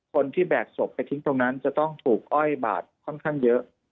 แบกศพไปทิ้งตรงนั้นจะต้องถูกอ้อยบาดค่อนข้างเยอะ